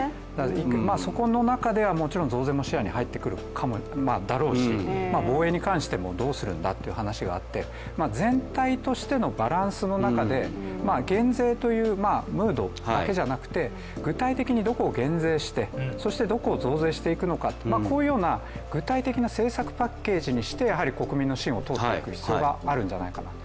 そこの中ではもちろん増税も視野に入ってくるだろうし防衛に関してもどうするんだという話があって、全体としてのバランスの中で減税というムードだけじゃなくて具体的にどこを減税して、そしてどこを増税していくのかというこういうような具体的な政策パッケージにして国民の信を問いていく必要があるんじゃないかなと。